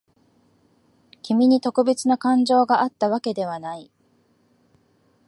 君に特別な感情があったわけではない。